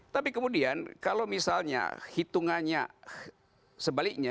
tapi kemudian kalau misalnya hitungannya sebaliknya